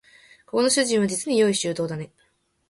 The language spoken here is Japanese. ここの主人はじつに用意周到だね